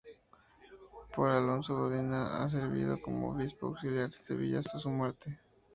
Pero Alonso Godina ha servido como obispo auxiliar de Sevilla hasta su muerte.